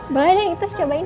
boleh deh itu cobain